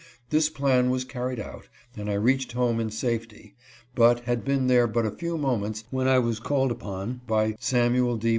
This plan was carried out, and I reached home in safety, but had been there but a few moments when I was called upon by Samuel D.